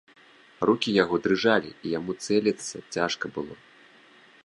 Рукі яго дрыжалі, і яму цэліцца цяжка было.